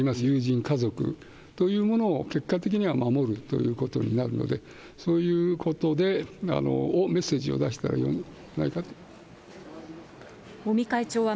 友人、家族というものを、結果的には守るということになるので、そういうことをメッセージを出したらいいのではないかと。